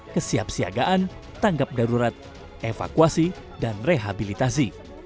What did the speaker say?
kesiapsiagaan tanggap darurat evakuasi dan rehabilitasi